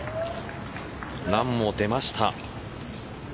ランも出ました。